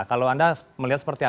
kalau anda melihat seperti apa